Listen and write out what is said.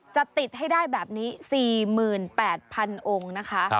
จะติดให้ได้แบบนี้๔๘๐๐๐องค์นะคะ